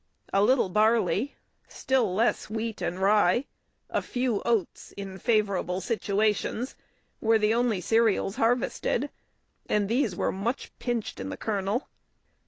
A little barley, still less wheat and rye, a few oats, in favourable situations, were the only cereals harvested, and these were much pinched in the kernel.